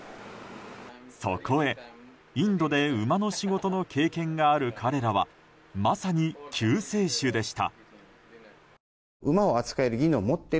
そこへ、インドで馬の仕事の経験がある彼らはまさに救世主でした。